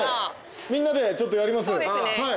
みんなでちょっとやります？